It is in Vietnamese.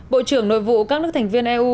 bộ trưởng nội vụ các nước thành viên eu